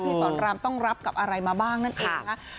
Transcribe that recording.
สอนรามต้องรับกับอะไรมาบ้างนั่นเองนะคะ